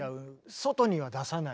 外には出さないね